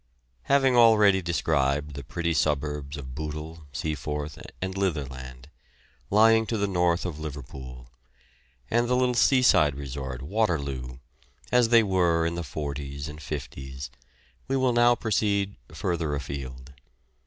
Having already described the pretty suburbs of Bootle, Seaforth and Litherland, lying to the north of Liverpool, and the little seaside resort, Waterloo, as they were in the 'forties and 'fifties, we will now proceed further afield.